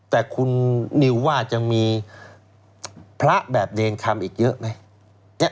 แต่คุณนิวว่าจะมีพระแบบเนรคำอีกเยอะไหม